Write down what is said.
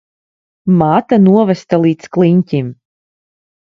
Māte novesta līdz kliņķim.